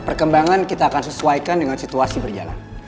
perkembangan kita akan sesuaikan dengan situasi berjalan